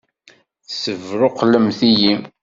Tessebṛuqlemt-iyi!